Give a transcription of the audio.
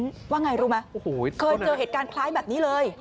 ว่าไงรู้ไหมเคยเจอเหตุการณ์คล้ายแบบนี้เลย